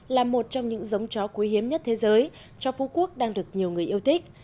là một trong những giống chó quý hiếm nhất thế giới cho phú quốc đang được nhiều người yêu thích